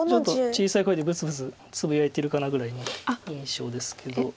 ちょっと小さい声でブツブツつぶやいてるかなぐらいの印象ですけど。